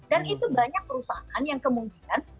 dan itu banyak perusahaan yang kemudian